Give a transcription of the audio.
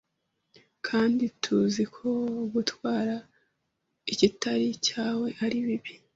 Kandi tuzi ko gutwara ikitari icyawe ari bibi